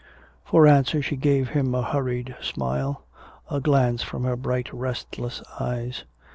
For answer she gave him a hurried smile, a glance from her bright restless eyes.